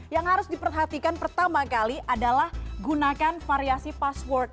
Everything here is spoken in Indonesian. yang harus diperhatikan pertama kali adalah gunakan variasi password